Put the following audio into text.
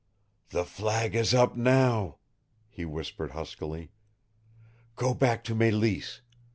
"The flag is up NOW!" he whispered huskily. "Go back to Mélisse.